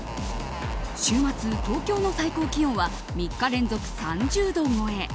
週末、東京の最高気温は３日連続３０度超え。